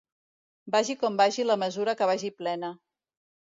Vagi com vagi, la mesura que vagi plena.